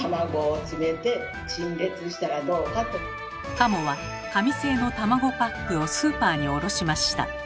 加茂は紙製の卵パックをスーパーに卸しました。